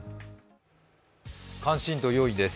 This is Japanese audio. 関心度４位です。